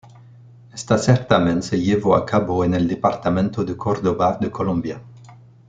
Este certamen se llevó a cabo en el departamento de Córdoba de Colombia.